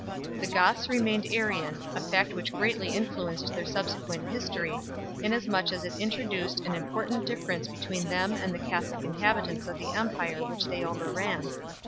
The Goths remained Arian, a fact which greatly influenced their subsequent history, inasmuch as it introduced an important difference between them and the Catholic inhabitants of the empire which they overran.